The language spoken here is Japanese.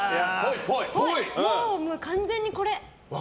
もう完全にこれ。